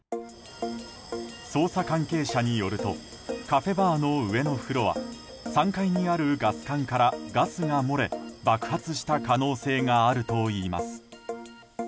捜査関係者によるとカフェバーの上のフロア３階にあるガス管からガスが漏れ爆発した可能性があるといいます。